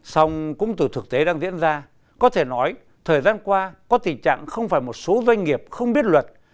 xong cũng từ thực tế đang diễn ra có thể nói thời gian qua có tình trạng không phải một số doanh nghiệp không biết luật